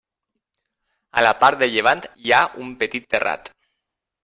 A la part de llevant hi ha un petit terrat.